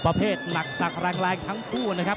อ่อประเภทหลักแรงแรงทั้งคู่นะครับ